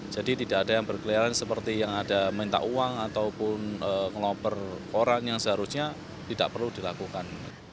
jadi tidak ada yang berkelialan seperti yang ada minta uang ataupun ngeloper orang yang seharusnya tidak perlu dilakukan